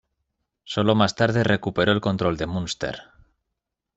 Sólo más tarde recuperó el control de Munster.